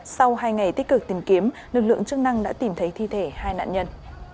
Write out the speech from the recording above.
sau hai ngày tích cực tìm kiếm lực lượng chức năng đã tìm thấy thi thể hai nạn nhân